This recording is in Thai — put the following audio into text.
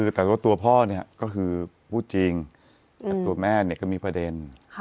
แต่ว่าตัวพ่อเนี่ยก็คือพูดจริงแต่ตัวแม่เนี่ยก็มีประเด็น